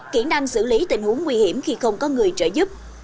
kỹ năng xử lý tình huống nguy hiểm khi không có người trợ giúp